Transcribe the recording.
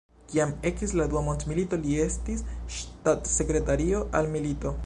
Kiam ekis la Dua mondmilito li estis ŝtatsekretario al milito.